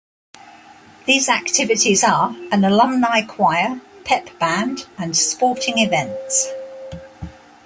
These activities are an alumni choir, pep band, and sporting events.